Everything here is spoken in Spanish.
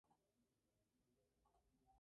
Pancras en Londres.